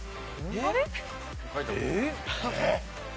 あれ？